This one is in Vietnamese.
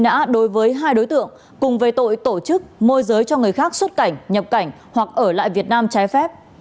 công an thành phố hà nội đã ra quyết định truy nã đối với hai đối tượng cùng về tội tổ chức môi giới cho người khác xuất cảnh nhập cảnh hoặc ở lại việt nam trái phép